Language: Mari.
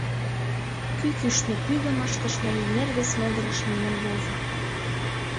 Кӱ кӱшнӧ пӱгым ыштыш да эҥер вес могырыш миен возо.